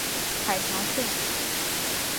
海峡线。